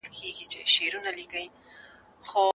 روباټونه به زموږ برخه شي.